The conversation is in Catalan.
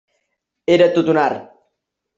Era tot un art.